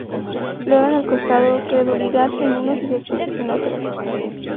Luego en el costado... Credulidad en unos y sospechas en otros.